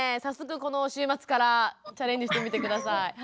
早速この週末からチャレンジしてみて下さい。